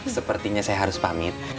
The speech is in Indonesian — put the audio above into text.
sepertinya saya harus pamit